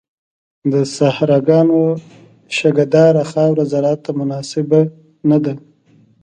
د صحراګانو شګهداره خاوره زراعت ته مناسبه نه ده.